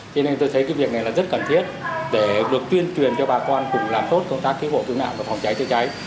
thế nên tôi thấy cái việc này là rất cần thiết để được tuyên truyền cho bà con cùng làm tốt công tác chữa bộ tử nạn và phòng cháy chữa cháy